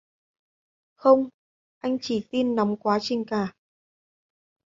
Không Anh chỉ tin nóng quá trình cả